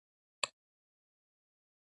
د دوی کار له یوه لوري ټولنیز شکل لري